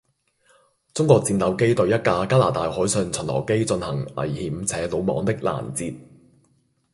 中國戰鬥機對一架加拿大海上巡邏機進行「危險且魯莽」的攔截